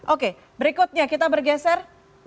oke berikutnya kita bergeser